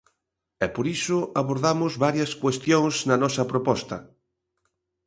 E por iso abordamos varias cuestións na nosa proposta.